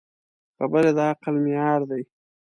خبرې د عقل معیار دي.